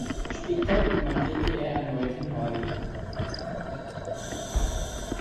Später kommandierte er erneut in Norwegen.